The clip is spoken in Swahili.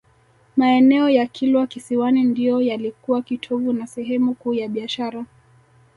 Maeneo ya Kilwa Kisiwani ndio yalikuwa kitovu na sehemu kuu ya biashara